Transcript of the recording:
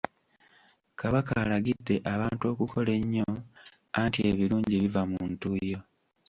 Kabaka alagidde abantu okukola ennyo anti ebirungi biva mu ntuuyo.